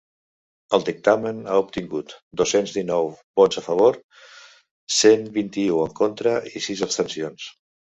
El dictamen ha obtingut dos-cents dinou vots a favor, cent vint-i-u en contra i sis abstencions.